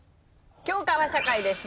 教科は社会です。